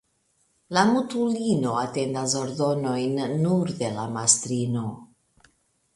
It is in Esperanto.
La mutulino atendas ordonojn nur de la mastrino.